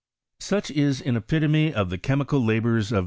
Such is an epitome of the chemical labours of M.